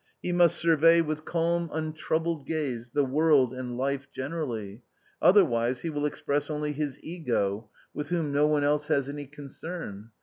He must survey with calm untroubled gaze the world and life generally ; otherwise, he will express only his Ego, with whom no one else has any concern.